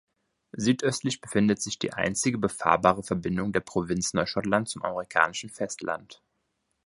Südöstlich befindet sich die einzige befahrbare Verbindung der Provinz Neuschottland zum amerikanischen Festland.